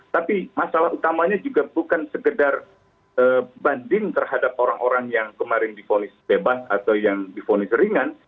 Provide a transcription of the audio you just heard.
tapi masalah utamanya juga bukan sekedar banding terhadap orang orang yang kemarin difonis bebas atau yang difonis ringan